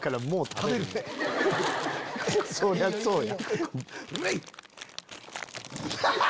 そりゃそうや。